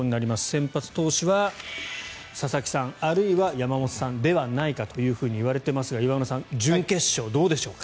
先発投手は佐々木さんあるいは山本さんではないかと言われていますが岩村さん、準決勝どうでしょう。